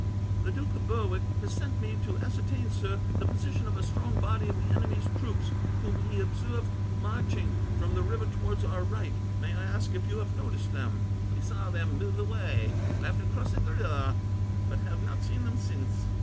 "The Duke of Berwick has sent me to ascertain, sir, the position of a strong body of the enemy's troops, whom he observed marching from the river towards our right. May I ask if you have noticed them?" "We saw them move away, after crossing the river, but have not seen them since.